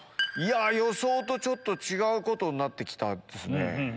予想とちょっと違うことになって来たんですね。